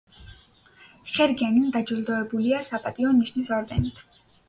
ხერგიანი დაჯილდოებულია „საპატიო ნიშნის“ ორდენით.